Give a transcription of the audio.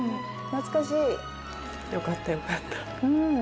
よかったよかった。